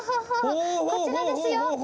こちらですよ。